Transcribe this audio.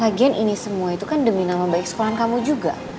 agen ini semua itu kan demi nama baik sekolahan kamu juga